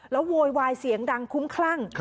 แล้วโวยวายเสียงดังคุ้มคลั่ง